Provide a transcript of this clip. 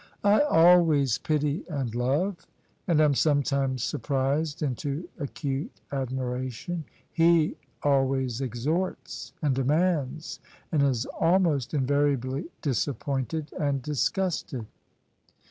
I always pity and love, and am sometimes sur prised into acute admiration : he always exhorts and demands, and is almost invariably disappointed and disgusted."